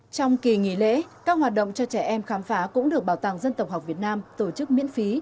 trong kỳ nghỉ lễ các hoạt động cho trẻ em khám phá cũng được bảo tàng dân tộc học việt nam tổ chức miễn phí